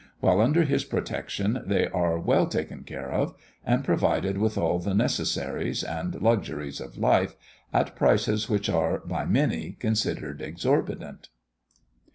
While under his protection they are well taken care of, and provided with all the necessaries and luxuries of life, at prices which are by many considered exorbitant.